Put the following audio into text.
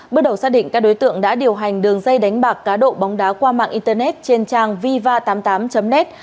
bước đầu xác định các đối tượng đã điều hành đường dây đánh bạc cá độ bóng đá qua mạng internet trên trang viva tám mươi tám net